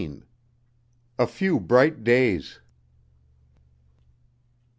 A FEW BRIGHT DAYS.